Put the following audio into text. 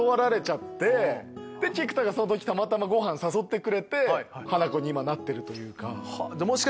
菊田がその時たまたまごはん誘ってくれてハナコに今なってる。